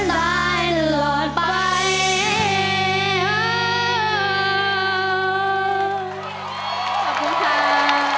จดจำไว้ตลอดไปไม่ทิ้งกัน